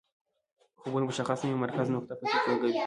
خوبونه مشخص نه وي او مرکزي نقطه پکې ګونګه وي